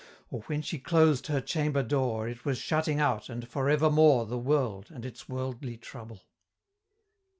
Or when she closed her chamber door, It was shutting out, and forevermore, The world and its worldly trouble.